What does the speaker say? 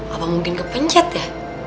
apa mungkin kepencet ya